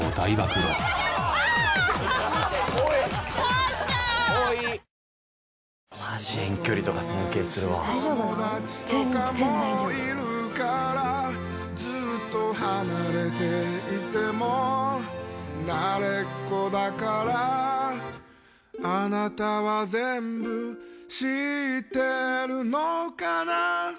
友達とかもいるからずっと離れていても慣れっこだからあなたは全部知ってるのかな